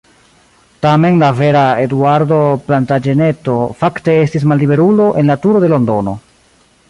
Tamen la vera Eduardo Plantaĝeneto fakte estis malliberulo en la Turo de Londono.